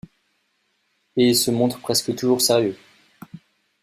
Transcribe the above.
Et se montre presque toujours sérieux.